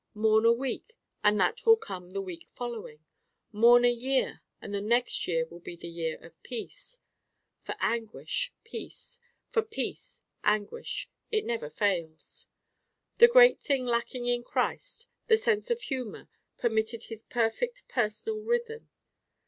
Mourn a week and that will come the week following. Mourn a year and the next year will be the year of peace. For anguish: peace. For peace: anguish. It never fails. The great thing lacking in Christ, the sense of humor, permitted his perfect personal Rhythm.